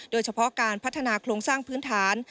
โดยเฉพาะการพัฒนาโครงสร้างพื้นฐาน